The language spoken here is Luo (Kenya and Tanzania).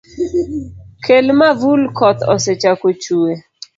Kel mavul koth osechako chue.